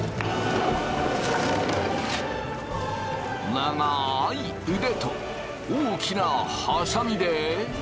長い腕と大きなハサミで。